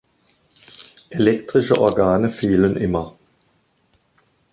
Elektrische Organe fehlen immer.